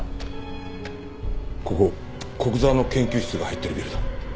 ここ古久沢の研究室が入ってるビルだ。